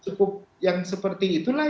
cukup yang seperti itulah